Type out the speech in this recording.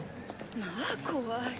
まあ怖い。